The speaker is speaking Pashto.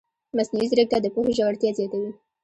مصنوعي ځیرکتیا د پوهې ژورتیا زیاتوي.